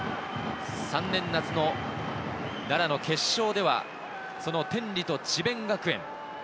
３年・夏の奈良の決勝では、その天理と智辯学園。